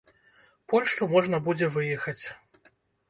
Польшчу можна будзе выехаць.